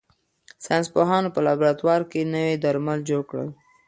ساینس پوهانو په لابراتوار کې نوي درمل جوړ کړل.